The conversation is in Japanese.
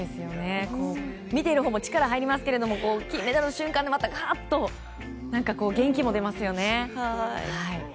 見ているほうも力入りますけど金メダルの瞬間でがっと元気も出ますよね。